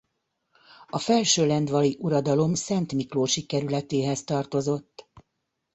A felsőlendvai uradalom szentmiklósi kerületéhez tartozott.